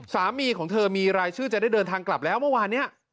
สามีของเธอมีรายชื่อจะได้เดินทางกลับแล้วเมื่อวานนี้